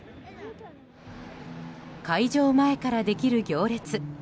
開場前からできる行列。